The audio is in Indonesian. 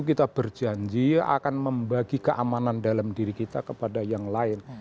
kita berjanji akan membagi keamanan dalam diri kita kepada yang lain